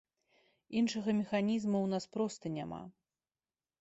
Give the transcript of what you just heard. Іншага механізма ў нас проста няма.